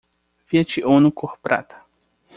Fiat Uno cor prata.